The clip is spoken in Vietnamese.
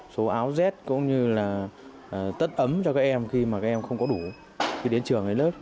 số áo rét cũng như là tất ấm cho các em khi mà các em không có đủ khi đến trường hay lớp